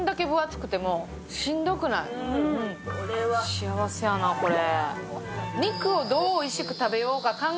幸せやな、これ。